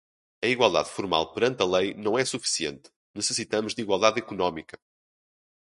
A igualdade formal perante a lei não é suficiente, necessitamos de igualdade econômica